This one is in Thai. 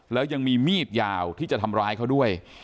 แล้วยังมีมีดยาวที่จะทำร้ายเขาด้วย